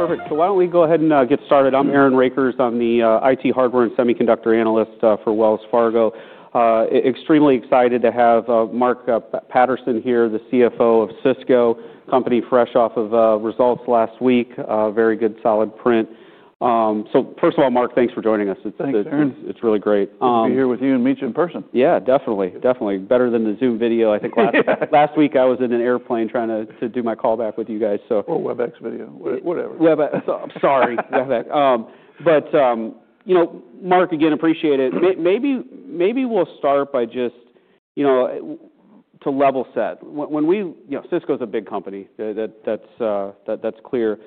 Perfect. So why don't we go ahead and get started? I'm Aaron Rakers. I'm the IT hardware and semiconductor analyst for Wells Fargo. Extremely excited to have Mark Patterson here, the CFO of Cisco, company fresh off of results last week. Very good solid print. So first of all, Mark, thanks for joining us. It's. Thanks, Aaron. It's really great. Good to be here with you and meet you in person. Yeah, definitely. Better than the Zoom video. I think last week I was in an airplane trying to do my callback with you guys, so. Webex video. Yeah. Whatever. Webex. I'm sorry. Webex. but, you know, Mark, again, appreciate it. Yeah. Maybe we'll start by just, you know, to level set. When we, you know, Cisco's a big company. That's clear.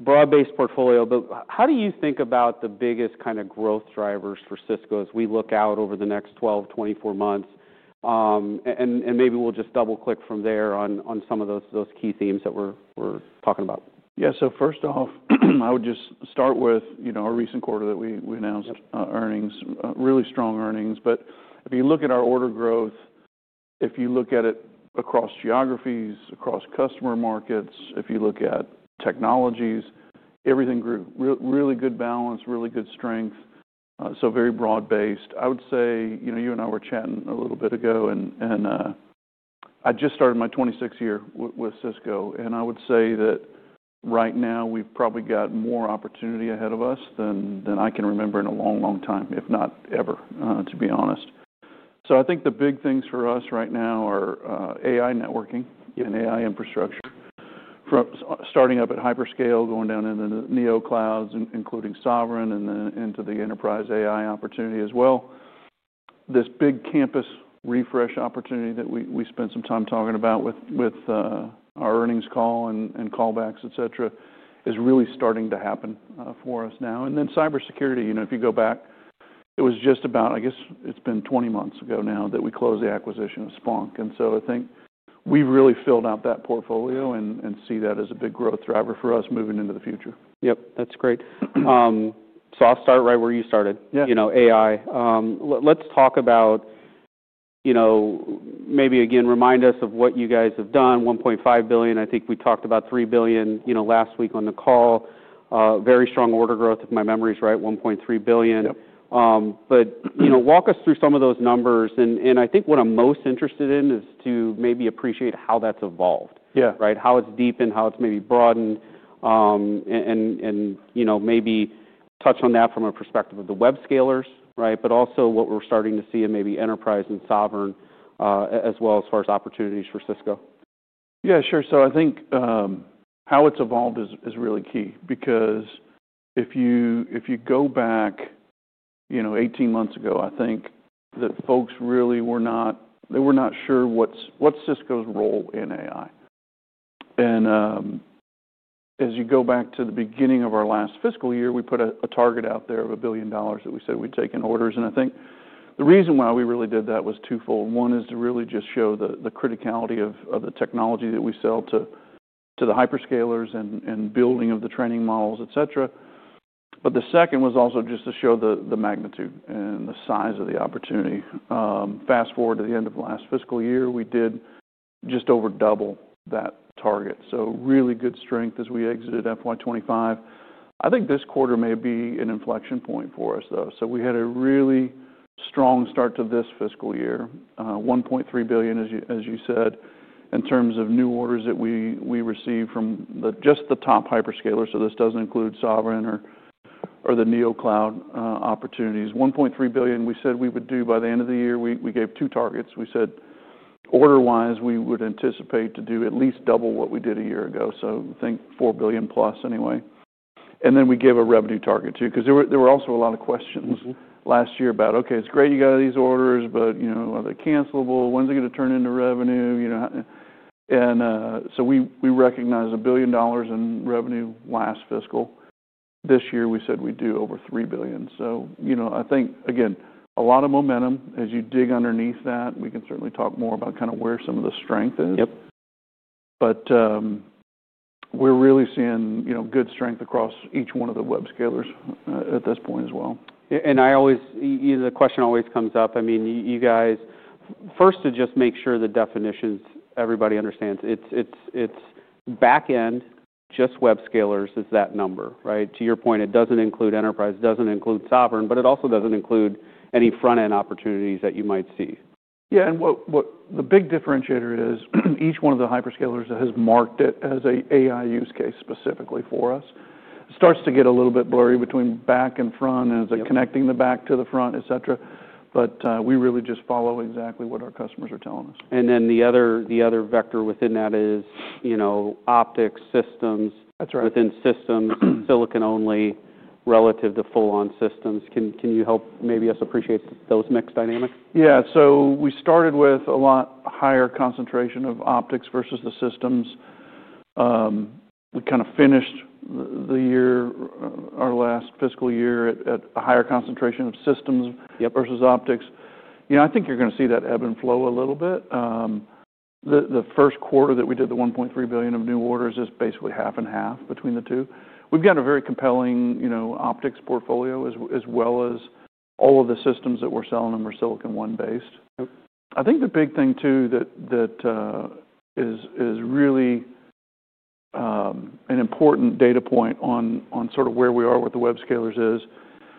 Broad-based portfolio, but how do you think about the biggest kinda growth drivers for Cisco as we look out over the next 12, 24 months? And maybe we'll just double-click from there on some of those key themes that we're talking about. Yeah. First off, I would just start with, you know, our recent quarter that we announced. Yep. Earnings. Really strong earnings. If you look at our order growth, if you look at it across geographies, across customer markets, if you look at technologies, everything grew. Really good balance, really good strength. Very broad-based. I would say, you know, you and I were chatting a little bit ago, and I just started my 26th year with Cisco. I would say that right now we've probably got more opportunity ahead of us than I can remember in a long, long time, if not ever, to be honest. I think the big things for us right now are AI networking. Yep. AI infrastructure, from starting up at hyperscale, going down into the neo clouds, including Sovereign, and then into the enterprise AI opportunity as well. This big campus refresh opportunity that we spent some time talking about with our earnings call and callbacks, etc., is really starting to happen for us now. Cybersecurity, you know, if you go back, it was just about, I guess it's been 20 months ago now that we closed the acquisition of Splunk. I think we've really filled out that portfolio and see that as a big growth driver for us moving into the future. Yep. That's great. I'll start right where you started. Yeah. You know, AI. Let's talk about, you know, maybe again, remind us of what you guys have done. $1.5 billion. I think we talked about $3 billion, you know, last week on the call. Very strong order growth, if my memory's right, $1.3 billion. Yep. But, you know, walk us through some of those numbers. And I think what I'm most interested in is to maybe appreciate how that's evolved. Yeah. Right? How it's deepened, how it's maybe broadened, and, you know, maybe touch on that from a perspective of the web scalers, right? But also what we're starting to see in maybe enterprise and sovereign, as well as far as opportunities for Cisco. Yeah, sure. I think how it's evolved is really key because if you go back, you know, 18 months ago, I think that folks really were not, they were not sure what's Cisco's role in AI. As you go back to the beginning of our last fiscal year, we put a target out there of $1 billion that we said we'd take in orders. I think the reason why we really did that was twofold. One is to really just show the criticality of the technology that we sell to the hyperscalers and building of the training models, etc. The second was also just to show the magnitude and the size of the opportunity. Fast forward to the end of last fiscal year, we did just over double that target. Really good strength as we exited FY25. I think this quarter may be an inflection point for us, though. We had a really strong start to this fiscal year. $1.3 billion, as you said, in terms of new orders that we received from just the top hyperscalers. This does not include sovereign or the neo cloud opportunities. $1.3 billion we said we would do by the end of the year. We gave two targets. We said order-wise, we would anticipate to do at least double what we did a year ago. Think $4 billion plus anyway. Then we gave a revenue target too because there were also a lot of questions. Mm-hmm. Last year about, "Okay, it's great you got these orders, but, you know, are they cancelable? When's it gonna turn into revenue?" You know, how and, we recognized $1 billion in revenue last fiscal. This year we said we'd do over $3 billion. You know, I think, again, a lot of momentum. As you dig underneath that, we can certainly talk more about kinda where some of the strength is. Yep. We're really seeing, you know, good strength across each one of the web scalers, at this point as well. And I always, you know, the question always comes up. I mean, you guys, first to just make sure the definitions everybody understands. It's backend, just web scalers is that number, right? To your point, it doesn't include enterprise, doesn't include sovereign, but it also doesn't include any front-end opportunities that you might see. Yeah. What the big differentiator is, each one of the hyperscalers that has marked it as an AI use case specifically for us, it starts to get a little bit blurry between back and front. Yeah. Is it connecting the back to the front, etc.? We really just follow exactly what our customers are telling us. The other vector within that is, you know, optics, systems. That's right. Within systems, silicon only relative to full-on systems. Can you help maybe us appreciate those mixed dynamics? Yeah. We started with a lot higher concentration of optics versus the systems. We kinda finished the year, our last fiscal year, at a higher concentration of systems. Yep. Versus optics. You know, I think you're gonna see that ebb and flow a little bit. The first quarter that we did the $1.3 billion of new orders, it's basically half and half between the two. We've got a very compelling, you know, optics portfolio as well as all of the systems that we're selling them are Silicon One-based. Yep. I think the big thing too that is really an important data point on sort of where we are with the web scalers is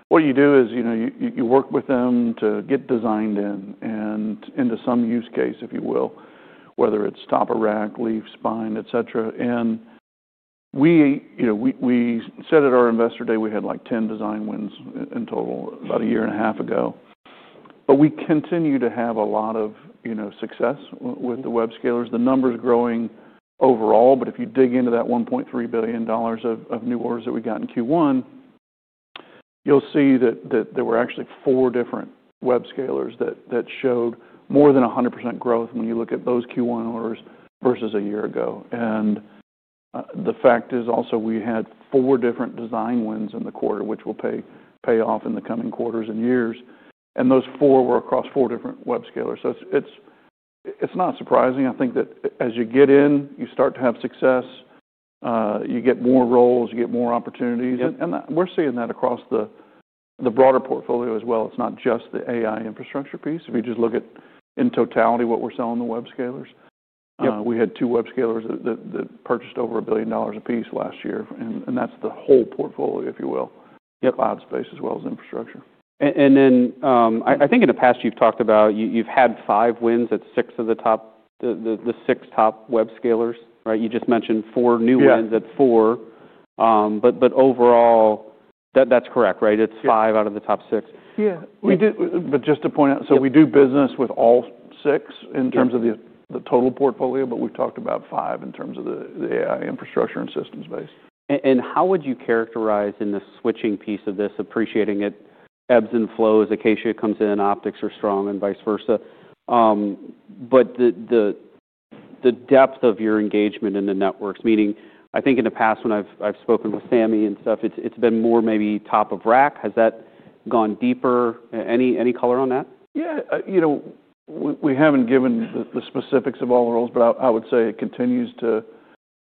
what you do is, you know, you work with them to get designed in and into some use case, if you will, whether it's top of rack, leaf, spine, etc. We said at our investor day we had like 10 design wins in total about a year and a half ago. We continue to have a lot of success with the web scalers. The number's growing overall. If you dig into that $1.3 billion of new orders that we got in Q1, you'll see that there were actually four different web scalers that showed more than 100% growth when you look at those Q1 orders versus a year ago. The fact is also we had four different design wins in the quarter, which will pay off in the coming quarters and years. Those four were across four different web scalers. It is not surprising. I think that as you get in, you start to have success, you get more roles, you get more opportunities. Yep. We're seeing that across the broader portfolio as well. It's not just the AI infrastructure piece. If you just look at in totality what we're selling the web scalers. Yep. We had two web scalers that purchased over $1 billion apiece last year. And that's the whole portfolio, if you will. Yep. Cloud space as well as infrastructure. And then, I think in the past you've talked about you, you've had five wins at six of the top, the six top web scalers, right? You just mentioned four new wins. Yeah. At four. But overall, that's correct, right? It's five out of the top six. Yeah. We do, but just to point out. Yeah. We do business with all six in terms of the. Yep. The total portfolio, but we've talked about five in terms of the, the AI infrastructure and systems space. And how would you characterize in the switching piece of this, appreciating it ebbs and flows? Acacia comes in, optics are strong, and vice versa. But the depth of your engagement in the networks, meaning I think in the past when I've spoken with Sami and stuff, it's been more maybe top of rack. Has that gone deeper? Any color on that? Yeah, you know, we haven't given the specifics of all the roles, but I would say it continues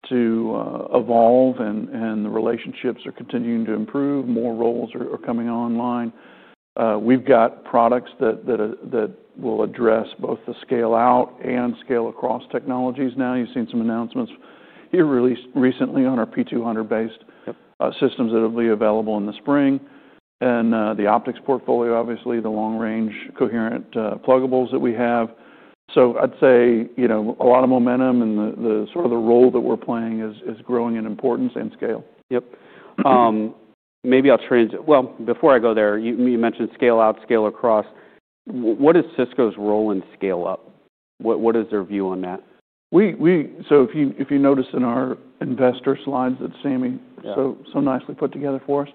to evolve and the relationships are continuing to improve. More roles are coming online. We've got products that will address both the scale-out and scale-across technologies now. You've seen some announcements here released recently on our P200-based. Yep. systems that'll be available in the spring. The optics portfolio, obviously, the long-range coherent, pluggables that we have. I'd say, you know, a lot of momentum and the sort of the role that we're playing is growing in importance and scale. Yep. Maybe I'll transi—well, before I go there, you mentioned scale-out, scale-across. What is Cisco's role in scale-up? What is their view on that? We, if you notice in our investor slides that Sami. Yeah. So, nicely put together for us,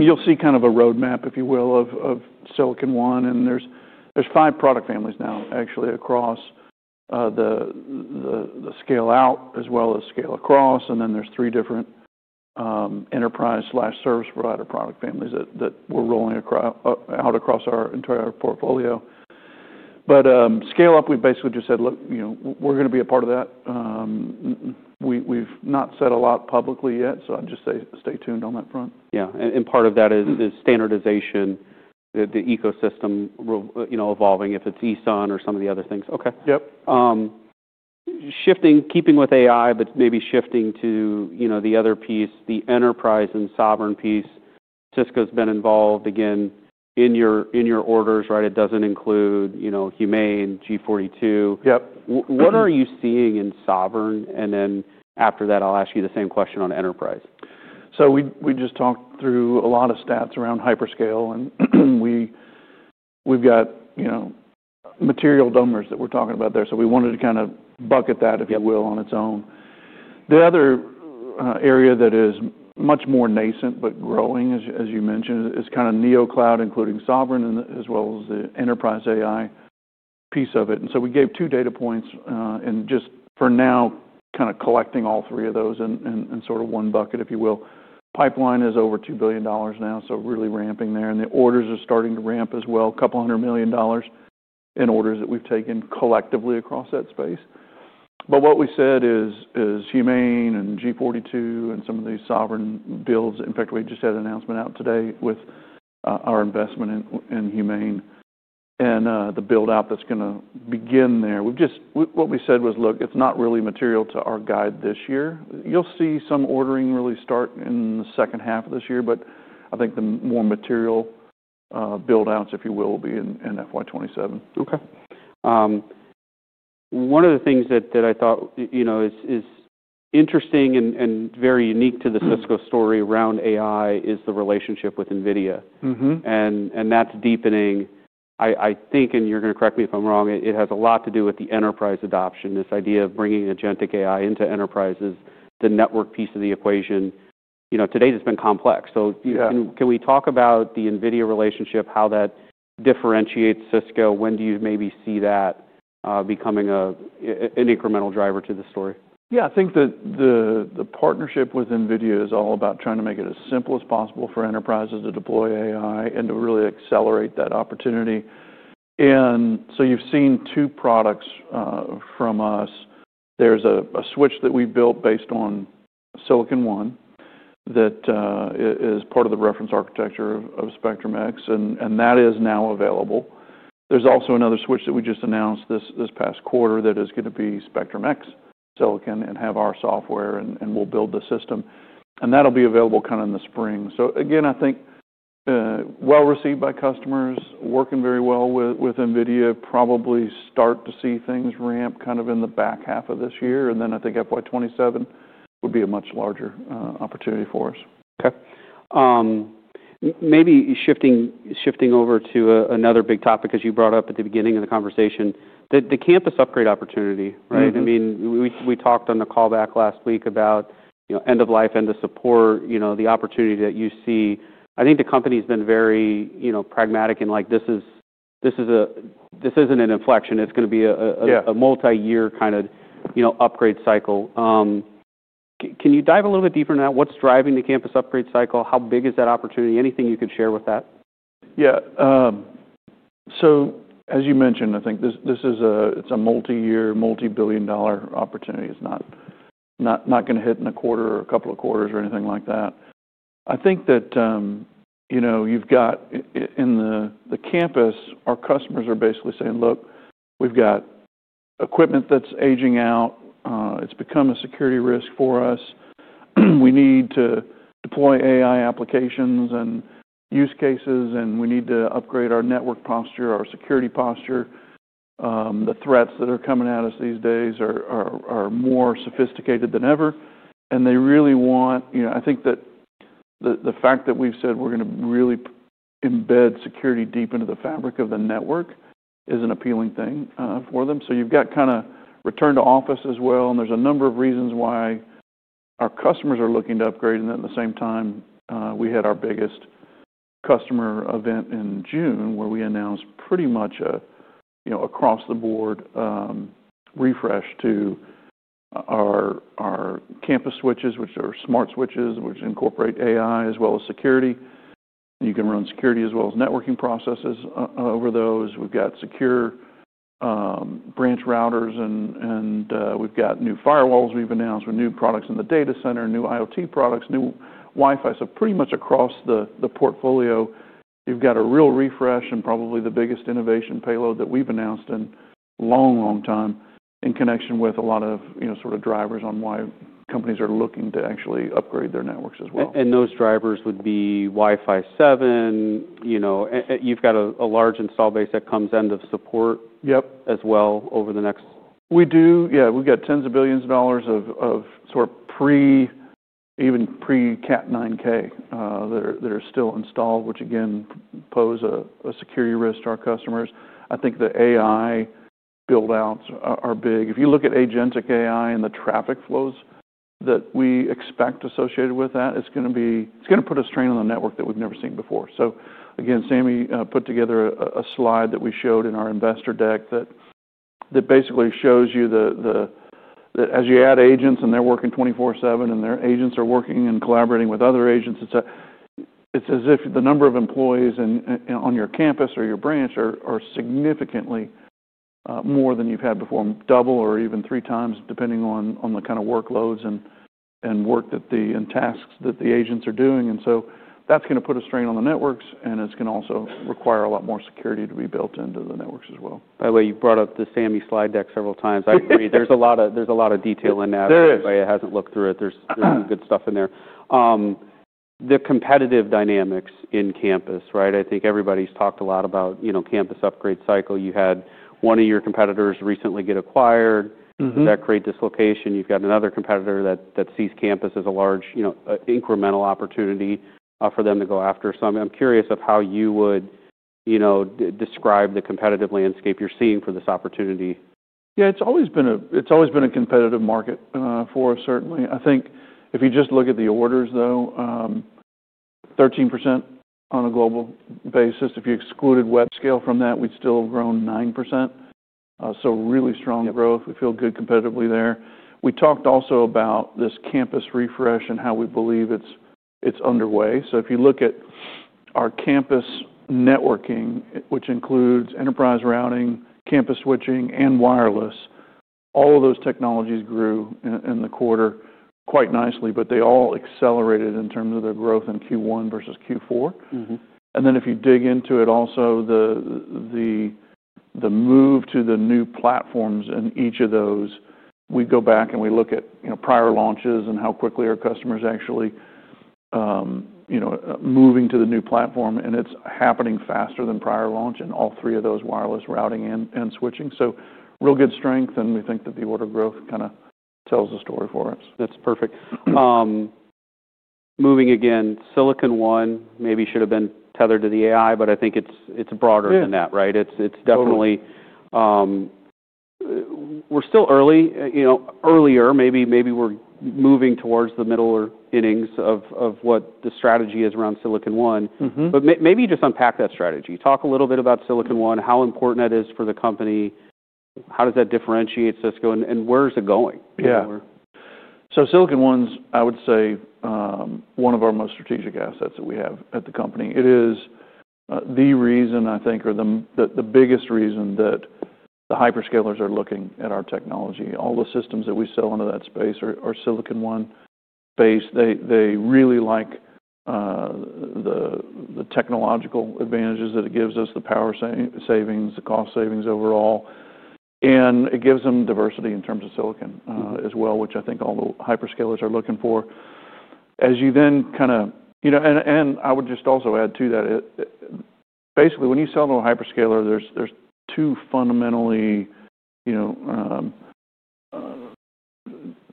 you'll see kind of a roadmap, if you will, of Silicon One. And there's five product families now, actually, across the scale-out as well as scale-across. And then there's three different enterprise/service provider product families that we're rolling out across our entire portfolio. But scale-up, we basically just said, "Look, you know, we're gonna be a part of that." We've not said a lot publicly yet, so I'd just say stay tuned on that front. Yeah. And part of that is standardization, the ecosystem, you know, evolving if it's ESON or some of the other things. Okay. Yep. Shifting, keeping with AI, but maybe shifting to, you know, the other piece, the enterprise and sovereign piece. Cisco's been involved again in your, in your orders, right? It doesn't include, you know, Humane, G42. Yep. What are you seeing in Sovereign? And then after that, I'll ask you the same question on enterprise. We just talked through a lot of stats around hyperscale. And we've got, you know, material numbers that we're talking about there. We wanted to kinda bucket that, if you will. Yep. On its own. The other area that is much more nascent but growing, as you mentioned, is kinda neo cloud, including Sovereign and as well as the enterprise AI piece of it. We gave two data points, and just for now, kinda collecting all three of those in sort of one bucket, if you will. Pipeline is over $2 billion now, so really ramping there. The orders are starting to ramp as well. Couple hundred million dollars in orders that we've taken collectively across that space. What we said is, Humane and G42 and some of these Sovereign builds, in fact, we just had an announcement out today with our investment in Humane and the build-out that's gonna begin there. What we said was, "Look, it's not really material to our guide this year." You'll see some ordering really start in the second half of this year, but I think the more material, build-outs, if you will, will be in FY2027. Okay. One of the things that I thought, you know, is interesting and very unique to the Cisco story around AI is the relationship with NVIDIA. Mm-hmm. That's deepening, I think, and you're gonna correct me if I'm wrong, it has a lot to do with the enterprise adoption, this idea of bringing agentic AI into enterprises, the network piece of the equation. You know, today's has been complex. So you. Yeah. Can we talk about the NVIDIA relationship, how that differentiates Cisco? When do you maybe see that becoming an incremental driver to the story? Yeah. I think that the partnership with NVIDIA is all about trying to make it as simple as possible for enterprises to deploy AI and to really accelerate that opportunity. You have seen two products from us. There is a switch that we built based on Silicon One that is part of the reference architecture of Spectrum-X. That is now available. There is also another switch that we just announced this past quarter that is going to be Spectrum-X silicon and have our software, and we will build the system. That will be available kind of in the spring. I think, well received by customers, working very well with NVIDIA, probably start to see things ramp kind of in the back half of this year. I think fiscal year 2027 would be a much larger opportunity for us. Okay. Maybe shifting over to another big topic as you brought up at the beginning of the conversation, the campus upgrade opportunity, right? Mm-hmm. I mean, we talked on the callback last week about, you know, end of life, end of support, you know, the opportunity that you see. I think the company's been very, you know, pragmatic in like, "This is, this is a, this isn't an inflection. It's gonna be a multi-year kind of, you know, upgrade cycle." Can you dive a little bit deeper into that? What's driving the campus upgrade cycle? How big is that opportunity? Anything you could share with that? Yeah. As you mentioned, I think this is a multi-year, multi-billion dollar opportunity. It's not gonna hit in a quarter or a couple of quarters or anything like that. I think that, you know, in the campus, our customers are basically saying, "Look, we've got equipment that's aging out. It's become a security risk for us. We need to deploy AI applications and use cases, and we need to upgrade our network posture, our security posture. The threats that are coming at us these days are more sophisticated than ever." They really want, you know, I think that the fact that we've said we're gonna really embed security deep into the fabric of the network is an appealing thing for them. You have kind of return to office as well. There are a number of reasons why our customers are looking to upgrade. At the same time, we had our biggest customer event in June where we announced pretty much a, you know, across-the-board refresh to our campus switches, which are smart switches, which incorporate AI as well as security. You can run security as well as networking processes over those. We have secure branch routers, and we have new firewalls we have announced with new products in the data center, new IoT products, new Wi-Fi. Pretty much across the portfolio, you have a real refresh and probably the biggest innovation payload that we have announced in a long, long time in connection with a lot of, you know, sort of drivers on why companies are looking to actually upgrade their networks as well. And those drivers would be Wi-Fi 7, you know, and you've got a large install base that comes end of support. Yep. As well over the next. We do. Yeah. We've got tens of billions of dollars of, sort of pre, even pre Cat 9K, that are still installed, which again pose a security risk to our customers. I think the AI build-outs are big. If you look at agentic AI and the traffic flows that we expect associated with that, it's gonna be, it's gonna put a strain on the network that we've never seen before. Again, Sami put together a slide that we showed in our investor deck that basically shows you that as you add agents and they're working 24/7 and their agents are working and collaborating with other agents, it's as if the number of employees on your campus or your branch are significantly more than you've had before, double or even three times depending on the kind of workloads and work that the agents are doing. That's gonna put a strain on the networks, and it's gonna also require a lot more security to be built into the networks as well. By the way, you brought up the Sami slide deck several times. I agree. There's a lot of, there's a lot of detail in that. There is. Everybody hasn't looked through it. There's some good stuff in there. The competitive dynamics in campus, right? I think everybody's talked a lot about, you know, campus upgrade cycle. You had one of your competitors recently get acquired. Mm-hmm. Did that create dislocation? You've got another competitor that sees campus as a large, you know, incremental opportunity for them to go after. I'm curious of how you would, you know, describe the competitive landscape you're seeing for this opportunity. Yeah. It's always been a, it's always been a competitive market, for us, certainly. I think if you just look at the orders though, 13% on a global basis. If you excluded web scale from that, we'd still have grown 9%. Really strong growth. Yeah. We feel good competitively there. We talked also about this campus refresh and how we believe it's underway. If you look at our campus networking, which includes enterprise routing, campus switching, and wireless, all of those technologies grew in the quarter quite nicely, but they all accelerated in terms of their growth in Q1 versus Q4. Mm-hmm. If you dig into it also, the move to the new platforms in each of those, we go back and we look at, you know, prior launches and how quickly our customers actually, you know, moving to the new platform. It's happening faster than prior launch in all three of those, wireless, routing, and switching. Real good strength. We think that the order growth kinda tells the story for us. That's perfect. Moving again, Silicon One maybe should have been tethered to the AI, but I think it's broader than that, right? It is. It's definitely, we're still early, you know, earlier. Maybe, maybe we're moving towards the middle or innings of, of what the strategy is around Silicon One. Mm-hmm. Maybe just unpack that strategy. Talk a little bit about Silicon One, how important that is for the company, how does that differentiate Cisco, and where's it going? Yeah. Or? Silicon One's, I would say, one of our most strategic assets that we have at the company. It is the reason, I think, or the biggest reason that the hyperscalers are looking at our technology. All the systems that we sell into that space are Silicon One based. They really like the technological advantages that it gives us, the power savings, the cost savings overall. It gives them diversity in terms of silicon as well, which I think all the hyperscalers are looking for. As you then kinda, you know, and I would just also add to that, basically when you sell to a hyperscaler, there are two fundamentally, you know,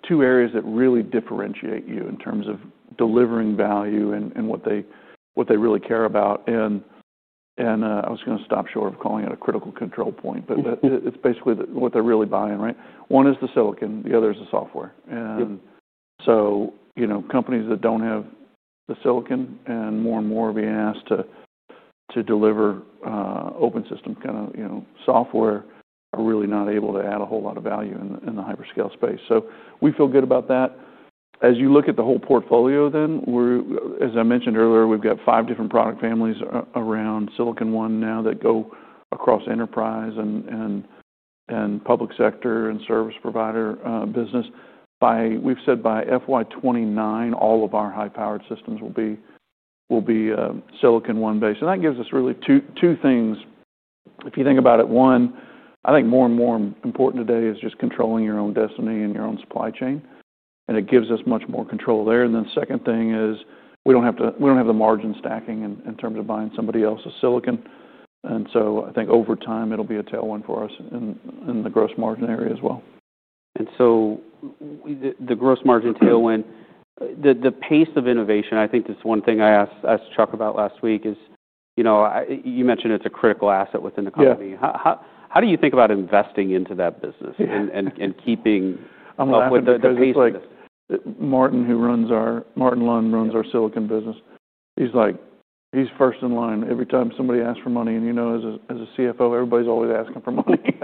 two areas that really differentiate you in terms of delivering value and what they really care about. I was gonna stop short of calling it a critical control point, but. Mm-hmm. It, it's basically the what they're really buying, right? One is the silicon. The other is the software. Mm-hmm. You know, companies that don't have the silicon and more and more are being asked to deliver open system kinda, you know, software are really not able to add a whole lot of value in the hyperscale space. We feel good about that. As you look at the whole portfolio then, as I mentioned earlier, we've got five different product families around Silicon One now that go across enterprise and public sector and service provider business. We've said by FY2029, all of our high-powered systems will be Silicon One based. That gives us really two things. If you think about it, one, I think more and more important today is just controlling your own destiny and your own supply chain. It gives us much more control there. We do not have to, we do not have the margin stacking in, in terms of buying somebody else's silicon. I think over time it will be a tailwind for us in the gross margin area as well. The gross margin tailwind, the pace of innovation, I think that's one thing I asked Chuck about last week is, you know, you mentioned it's a critical asset within the company. Yeah. How do you think about investing into that business and keeping. I'm glad. Up with the pace of this? Martin, who runs our, Martin Lund runs our silicon business, he's like, he's first in line every time somebody asks for money. You know, as a CFO, everybody's always asking for money.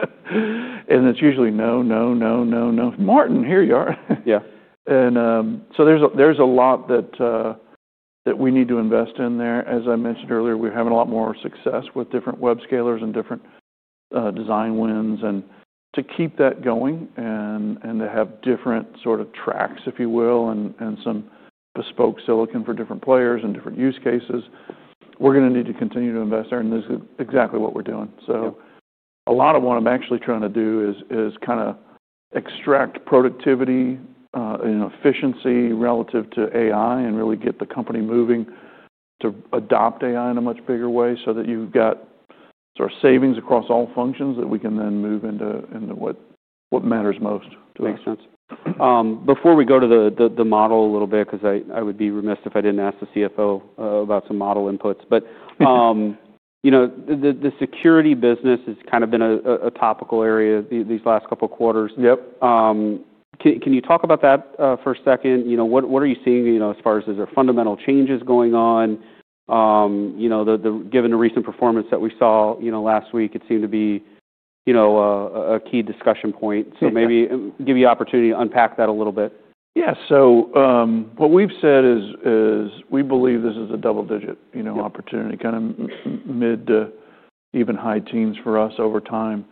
It's usually, "No, no, no, no, no. Martin, here you are. Yeah. There is a lot that we need to invest in there. As I mentioned earlier, we're having a lot more success with different web scalers and different design wins. To keep that going and to have different sort of tracks, if you will, and some bespoke silicon for different players and different use cases, we're gonna need to continue to invest there. This is exactly what we're doing. Yeah. A lot of what I'm actually trying to do is kinda extract productivity and efficiency relative to AI and really get the company moving to adopt AI in a much bigger way so that you've got sort of savings across all functions that we can then move into what matters most to us. Makes sense. Before we go to the model a little bit, 'cause I would be remiss if I didn't ask the CFO about some model inputs. You know, the security business has kinda been a topical area these last couple quarters. Yep. Can you talk about that for a second? You know, what are you seeing, you know, as far as is there fundamental changes going on? You know, given the recent performance that we saw last week, it seemed to be a key discussion point. Yeah. Maybe, give you opportunity to unpack that a little bit. Yeah. What we've said is, we believe this is a double-digit, you know, opportunity, kinda mid to even high teens for us over time.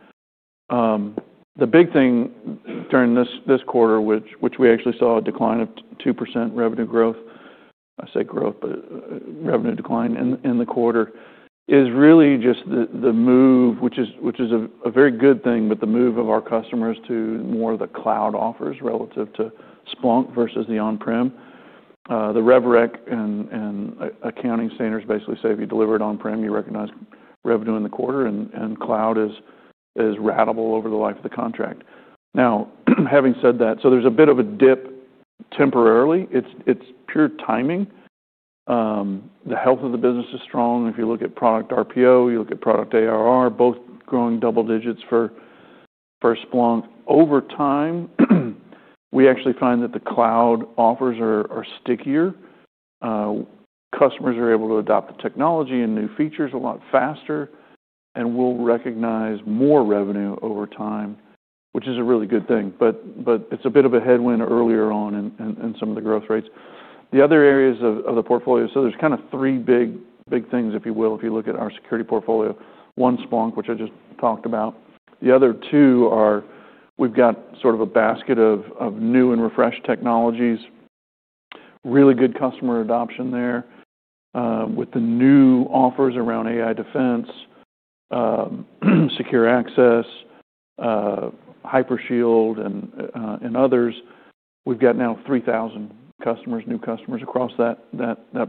The big thing during this quarter, which we actually saw a decline of 2% revenue growth—I say growth, but revenue decline in the quarter—is really just the move, which is a very good thing, but the move of our customers to more of the cloud offers relative to Splunk versus the on-prem. The rhetoric and accounting standards basically say if you deliver it on-prem, you recognize revenue in the quarter, and cloud is ratable over the life of the contract. Now, having said that, there's a bit of a dip temporarily. It's pure timing. The health of the business is strong. If you look at product RPO, you look at product ARR, both growing double digits for Splunk. Over time, we actually find that the cloud offers are stickier. Customers are able to adopt the technology and new features a lot faster and will recognize more revenue over time, which is a really good thing. It is a bit of a headwind earlier on in some of the growth rates. The other areas of the portfolio, so there are kind of three big things, if you will, if you look at our security portfolio. One, Splunk, which I just talked about. The other two are we have got sort of a basket of new and refreshed technologies, really good customer adoption there, with the new offers around AI defense, secure access, hypershield, and others. We've got now 3,000 new customers across that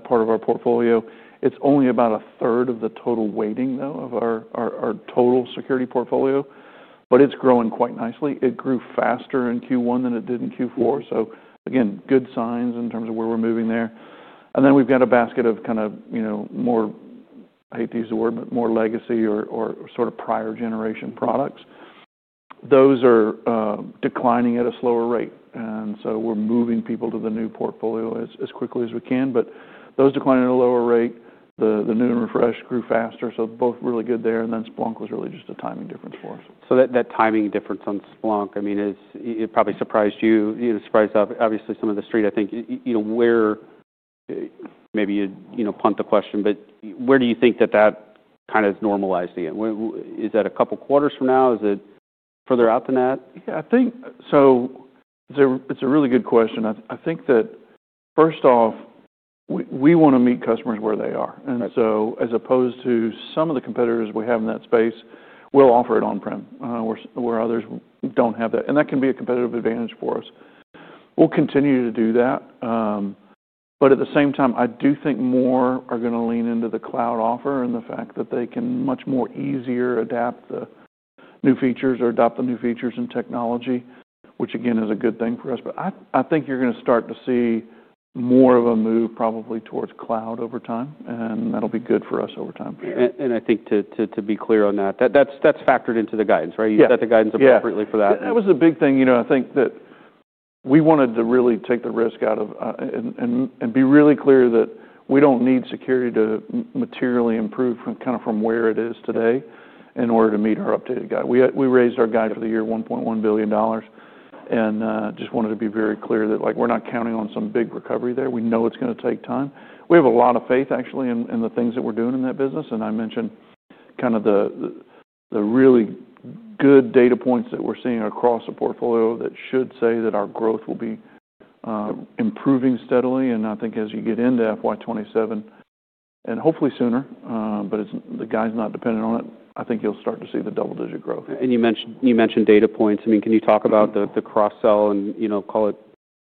part of our portfolio. It's only about a third of the total weighting of our total security portfolio, but it's growing quite nicely. It grew faster in Q1 than it did in Q4. Again, good signs in terms of where we're moving there. We've got a basket of, you know, more, I hate to use the word, but more legacy or sort of prior generation products. Those are declining at a slower rate. We're moving people to the new portfolio as quickly as we can. Those declining at a lower rate, the new and refreshed grew faster. Both really good there. Splunk was really just a timing difference for us. That timing difference on Splunk, I mean, it probably surprised you, you know, surprised obviously some of the street. I think, you know, where, maybe you, you know, punt the question, but where do you think that kind of is normalized again? Where is that a couple quarters from now? Is it further out than that? Yeah. I think so, it's a, it's a really good question. I, I think that first off, we, we wanna meet customers where they are. Right. As opposed to some of the competitors we have in that space, we'll offer it on-prem, where others do not have that. That can be a competitive advantage for us. We'll continue to do that. At the same time, I do think more are gonna lean into the cloud offer and the fact that they can much more easily adopt the new features and technology, which again is a good thing for us. I think you're gonna start to see more of a move probably towards cloud over time. That'll be good for us over time. I think to be clear on that, that's factored into the guidance, right? Yes. You set the guidance appropriately for that. Yeah. That was a big thing. You know, I think that we wanted to really take the risk out of, and be really clear that we do not need security to materially improve from kinda from where it is today in order to meet our updated guide. We raised our guide for the year $1.1 billion. Just wanted to be very clear that, like, we are not counting on some big recovery there. We know it is gonna take time. We have a lot of faith actually in the things that we are doing in that business. I mentioned kinda the really good data points that we are seeing across the portfolio that should say that our growth will be improving steadily. I think as you get into FY2027 and hopefully sooner, but the guide's not dependent on it, I think you'll start to see the double-digit growth. You mentioned data points. I mean, can you talk about the cross-sell and, you know, call it,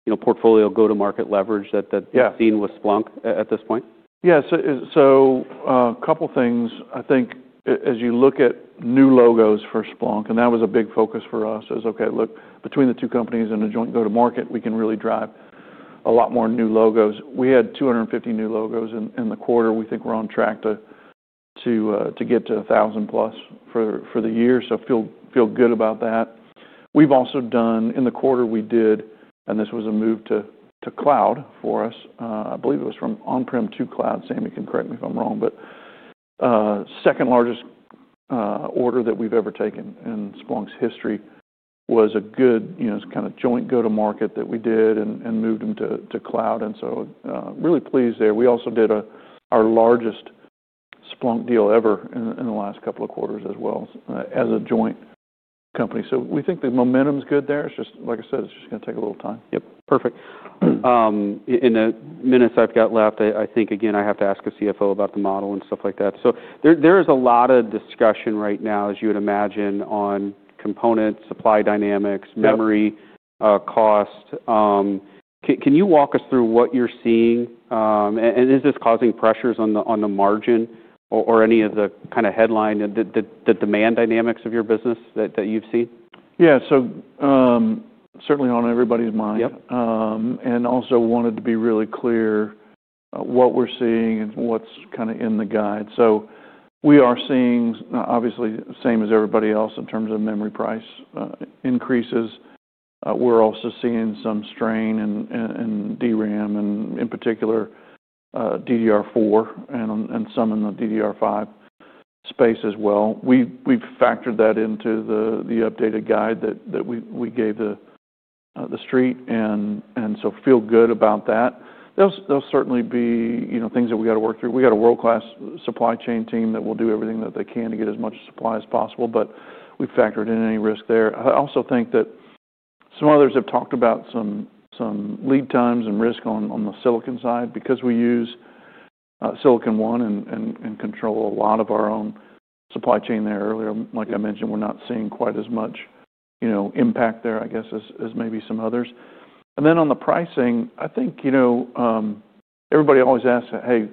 you know, portfolio go-to-market leverage that. Yeah. You've seen with Splunk at this point? Yeah. So, a couple things. I think as you look at new logos for Splunk, and that was a big focus for us, is, okay, look, between the two companies and a joint go-to-market, we can really drive a lot more new logos. We had 250 new logos in the quarter. We think we're on track to get to 1,000 plus for the year. Feel good about that. We've also done in the quarter, we did, and this was a move to cloud for us. I believe it was from on-prem to cloud. Sami can correct me if I'm wrong, but, second largest order that we've ever taken in Splunk's history was a good, you know, kind of joint go-to-market that we did and moved them to cloud. Really pleased there. We also did our largest Splunk deal ever in the last couple of quarters as well, as a joint company. We think the momentum's good there. It's just, like I said, it's just gonna take a little time. Yep. Perfect. In the minutes I've got left, I think again, I have to ask a CFO about the model and stuff like that. There is a lot of discussion right now, as you would imagine, on components, supply dynamics. Yeah. Memory, cost. Can you walk us through what you're seeing? And is this causing pressures on the margin or any of the kind of headline and the demand dynamics of your business that you've seen? Yeah. Certainly on everybody's mind. Yep. I also wanted to be really clear, what we're seeing and what's kinda in the guide. We are seeing, obviously same as everybody else in terms of memory price increases. We're also seeing some strain in DRAM, in particular, DDR4 and some in the DDR5 space as well. We've factored that into the updated guide that we gave the street. I feel good about that. There'll certainly be things that we gotta work through. We got a world-class supply chain team that will do everything that they can to get as much supply as possible. We've factored in any risk there. I also think that some others have talked about some lead times and risk on the silicon side because we use Silicon One and control a lot of our own supply chain there earlier. Like I mentioned, we're not seeing quite as much, you know, impact there, I guess, as maybe some others. On the pricing, I think, you know, everybody always asks, "Hey,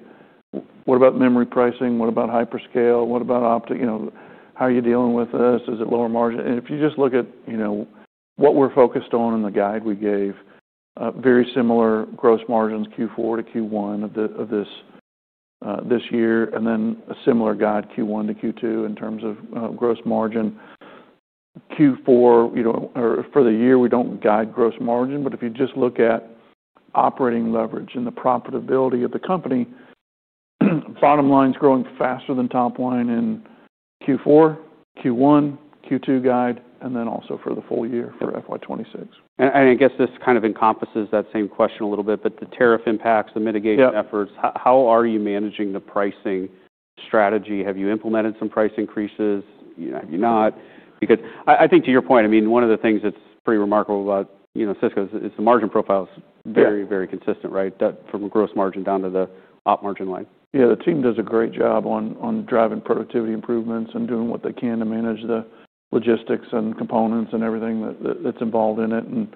what about memory pricing? What about hyperscale? What about opti?" You know, "How are you dealing with this? Is it lower margin?" If you just look at, you know, what we're focused on in the guide we gave, very similar gross margins Q4 to Q1 of this year. A similar guide Q1 to Q2 in terms of gross margin. Q4, you know, or for the year, we don't guide gross margin. If you just look at operating leverage and the profitability of the company, bottom line's growing faster than top line in Q4, Q1, Q2 guide, and then also for the full year for FY2026. I guess this kind of encompasses that same question a little bit, but the tariff impacts, the mitigation. Yep. Efforts. How are you managing the pricing strategy? Have you implemented some price increases? You know, have you not? Because I, I think to your point, I mean, one of the things that's pretty remarkable about, you know, Cisco is, is the margin profile's very. Yeah. Very consistent, right? That from gross margin down to the op margin line. Yeah. The team does a great job on driving productivity improvements and doing what they can to manage the logistics and components and everything that's involved in it and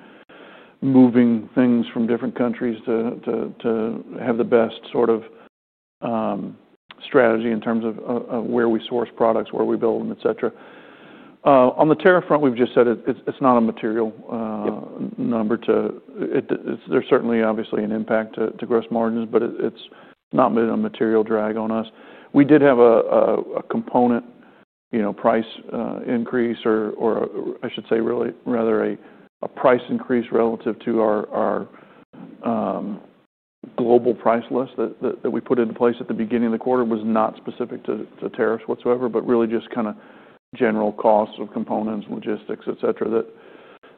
moving things from different countries to have the best sort of strategy in terms of where we source products, where we build them, etc. On the tariff front, we've just said it's not a material, Yep. Number to it, there's certainly, obviously, an impact to gross margins, but it's not been a material drag on us. We did have a component, you know, price increase or, I should say really rather a price increase relative to our global price list that we put into place at the beginning of the quarter. It was not specific to tariffs whatsoever, but really just kind of general costs of components, logistics, etc.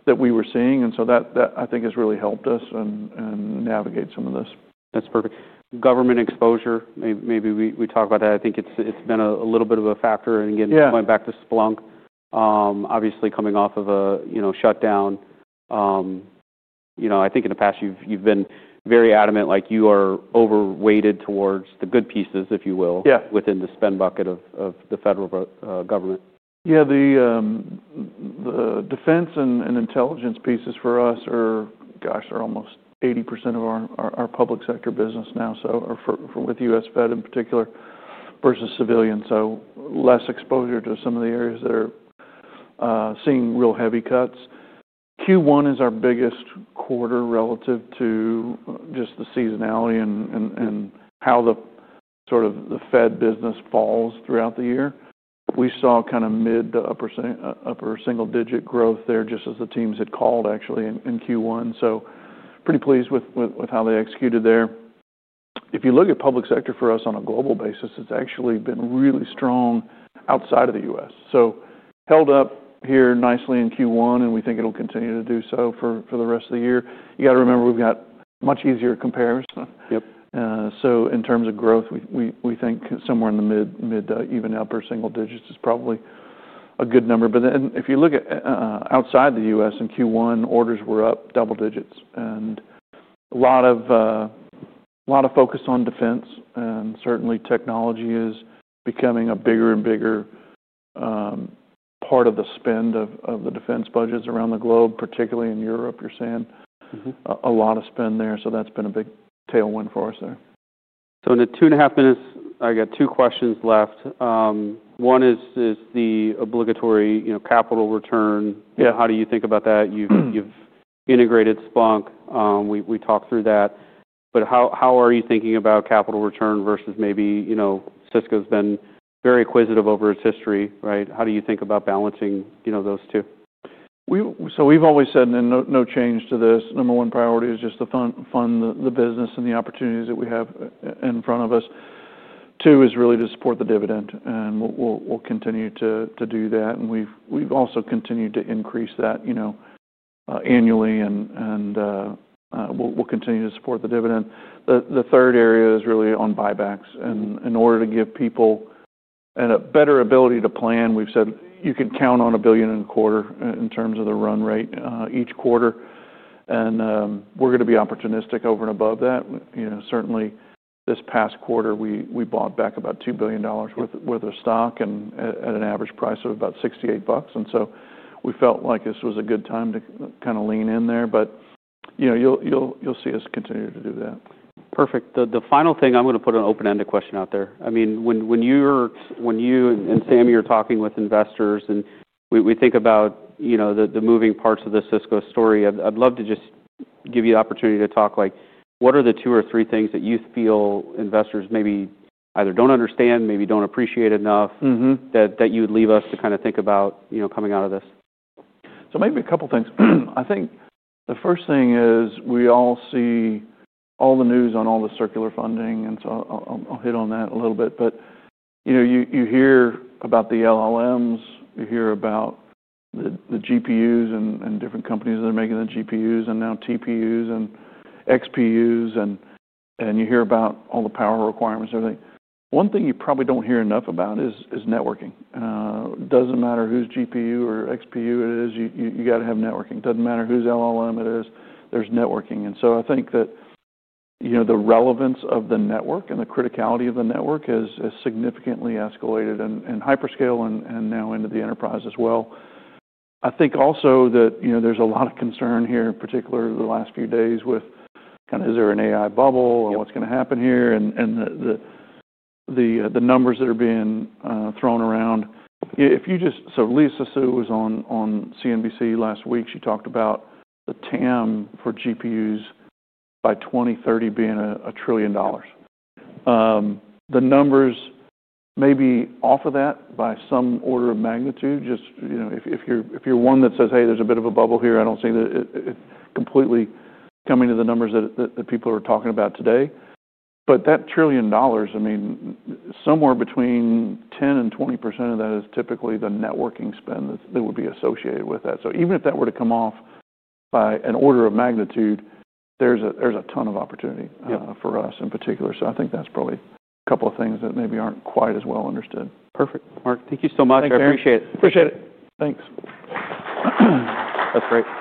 that we were seeing. That, I think, has really helped us and navigate some of this. That's perfect. Government exposure, maybe we, we talk about that. I think it's, it's been a little bit of a factor. Again. Yeah. Going back to Splunk, obviously coming off of a, you know, shutdown, you know, I think in the past you've, you've been very adamant like you are overweighted towards the good pieces, if you will. Yeah. Within the spend bucket of the federal government. Yeah. The defense and intelligence pieces for us are, gosh, are almost 80% of our public sector business now, for U.S. Fed in particular versus civilian. Less exposure to some of the areas that are seeing real heavy cuts. Q1 is our biggest quarter relative to just the seasonality and how the sort of the Fed business falls throughout the year. We saw kind of mid to upper single-digit growth there just as the teams had called actually in Q1. Pretty pleased with how they executed there. If you look at public sector for us on a global basis, it's actually been really strong outside of the U.S. Held up here nicely in Q1, and we think it'll continue to do so for the rest of the year. You gotta remember we've got much easier comparison. Yep. In terms of growth, we think somewhere in the mid to even upper single digits is probably a good number. If you look at, outside the U.S. in Q1, orders were up double digits. A lot of focus on defense. Certainly technology is becoming a bigger and bigger part of the spend of the defense budgets around the globe, particularly in Europe. You're seeing. Mm-hmm. A lot of spend there. That's been a big tailwind for us there. In the two and a half minutes, I got two questions left. One is, is the obligatory, you know, capital return. Yeah. How do you think about that? You've integrated Splunk. We talked through that. How are you thinking about capital return versus maybe, you know, Cisco's been very acquisitive over its history, right? How do you think about balancing, you know, those two? We have always said, and no change to this, number one priority is just to fund the business and the opportunities that we have in front of us. Two is really to support the dividend. We will continue to do that. We have also continued to increase that annually. We will continue to support the dividend. The third area is really on buybacks. In order to give people a better ability to plan, we have said you can count on $1 billion in a quarter in terms of the run rate each quarter. We are going to be opportunistic over and above that. Certainly this past quarter, we bought back about $2 billion worth of stock at an average price of about $68. We felt like this was a good time to kinda lean in there. You know, you'll see us continue to do that. Perfect. The final thing, I'm gonna put an open-ended question out there. I mean, when you're, when you and Sami are talking with investors and we think about, you know, the moving parts of the Cisco story, I'd love to just give you the opportunity to talk. Like, what are the two or three things that you feel investors maybe either don't understand, maybe don't appreciate enough. Mm-hmm. That you would leave us to kinda think about, you know, coming out of this? Maybe a couple things. I think the first thing is we all see all the news on all the circular funding. I'll hit on that a little bit. You know, you hear about the LLMs. You hear about the GPUs and different companies that are making the GPUs and now TPUs and XPUs. You hear about all the power requirements, everything. One thing you probably do not hear enough about is networking. It does not matter whose GPU or XPU it is, you gotta have networking. It does not matter whose LLM it is. There is networking. I think that the relevance of the network and the criticality of the network has significantly escalated, in hyperscale and now into the enterprise as well. I think also that, you know, there's a lot of concern here, particularly the last few days with kinda is there an AI bubble. Yeah. What's gonna happen here, and the numbers that are being thrown around. If you just, so Lisa Su was on CNBC last week. She talked about the TAM for GPUs by 2030 being a trillion dollars. The numbers may be off of that by some order of magnitude. Just, you know, if you're one that says, "Hey, there's a bit of a bubble here. I don't see the, completely coming to the numbers that people are talking about today." That trillion dollars, I mean, somewhere between 10% and 20% of that is typically the networking spend that would be associated with that. Even if that were to come off by an order of magnitude, there's a ton of opportunity. Yeah. For us in particular. I think that's probably a couple of things that maybe aren't quite as well understood. Perfect, Mark. Thank you so much. Thank you. I appreciate it. Appreciate it. Thanks. That's great. Okay.